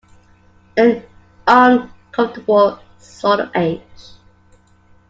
An uncomfortable sort of age.